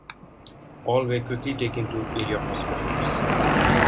All were quickly taken to area hospitals.